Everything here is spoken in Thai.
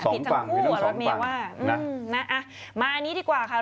ผิดทั้งคู่อ่ะรถเมย์ว่านะมาอันนี้ดีกว่าค่ะ